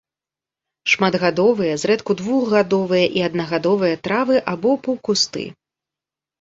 Шматгадовыя, зрэдку двухгадовыя і аднагадовыя травы або паўкусты.